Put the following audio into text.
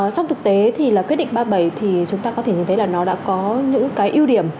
trong thực tế thì là quyết định ba mươi bảy thì chúng ta có thể nhìn thấy là nó đã có những cái ưu điểm